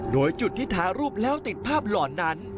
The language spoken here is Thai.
โดยจุดที่ถ่ายรูปแล้วติดภาพหล่อนั้น